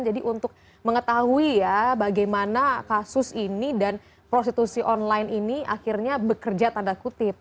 jadi untuk mengetahui ya bagaimana kasus ini dan prostitusi online ini akhirnya bekerja tanda kutip